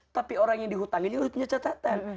tapi orang yang dihutangin dia harus punya catatan